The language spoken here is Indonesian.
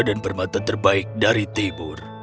dan permata terbaik dari timur